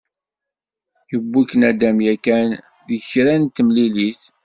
Yewwi-k nadam yakan deg kra n temlilit?